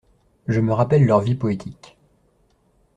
Je me rappelle leurs vies poétiques.